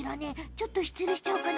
ちょっと失礼しちゃおうかな。